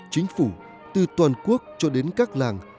chính phủ từ toàn quốc cho đến các làng